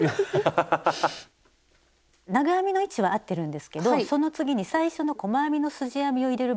長編みの位置はあってるんですけどその次に最初の細編みのすじ編みを入れる場所がね